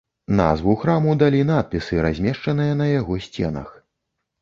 Назву храму далі надпісы, размешчаныя на яго сценах.